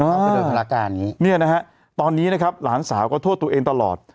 ก็โดยภาระการนี้เนี่ยนะฮะตอนนี้นะครับหลานสาวก็โทษตัวเองตลอด